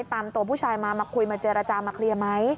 ตามตัวผู้ชายมามาคุยมาเจรจามาเคลียร์ไหม